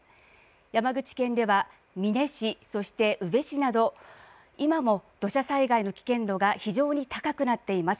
山口県では美祢市、そして宇部市など今も土砂災害の危険度が非常に高くなっています。